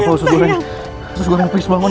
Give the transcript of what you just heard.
pusus goreng kenapa ibu isu bangun